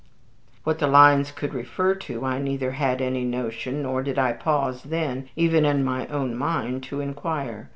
What the lines could refer to I neither had any notion nor did I pause then even in my own mind to inquire.